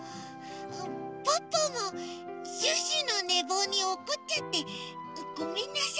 ポッポもシュッシュのねぼうにおこっちゃってごめんなさい。